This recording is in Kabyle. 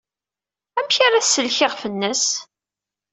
Amek ara tsellek iɣef-nnes?